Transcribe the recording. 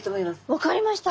分かりました。